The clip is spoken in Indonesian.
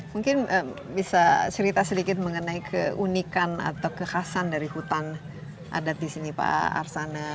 mungkin bisa cerita sedikit mengenai keunikan atau kekhasan dari hutan adat di sini pak arsana